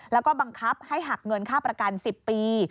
แล้วก็บังคับให้หักเงินค่าประกัน๑๐ปี